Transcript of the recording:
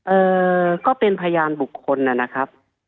เอ่อก็เป็นพยานบุคคลนะครับ